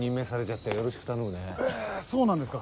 えそうなんですか！